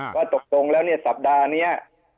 ว่าตกลงแล้วเนี่ยสัปดาห์นี้